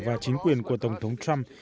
và chính quyền của tổng thống trump